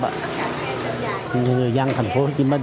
người dân thành phố hồ chí minh